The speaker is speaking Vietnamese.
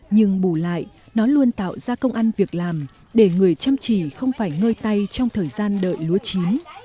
nhưng bù lại nó luôn tạo ra công ăn việc làm để người chăm chỉ không phải ngơi tay trong thời gian đợi lúa chín